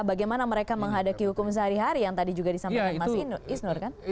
bagaimana mereka menghadapi hukum sehari hari yang tadi juga disampaikan mas isnur kan